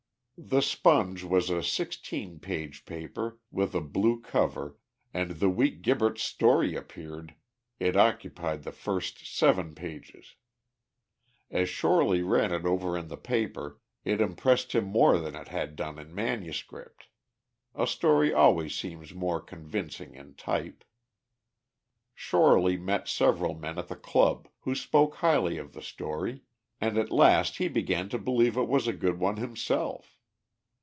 The Sponge was a sixteen page paper, with a blue cover, and the week Gibberts' story appeared, it occupied the first seven pages. As Shorely ran it over in the paper, it impressed him more than it had done in manuscript. A story always seems more convincing in type. Shorely met several men at the Club, who spoke highly of the story, and at last he began to believe it was a good one himself.